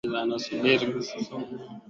ungana nami mtayarishaji na mtangazaji wako